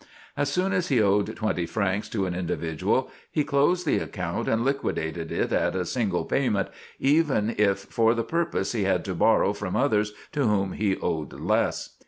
As soon as he owed twenty francs to an individual, he closed the account, and liquidated it at a single payment, even if for the purpose he had to borrow from others to whom he owed less.